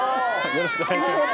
よろしくお願いします